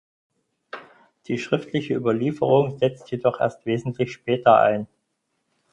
Die schriftliche Überlieferung setzt jedoch erst wesentlich später ein.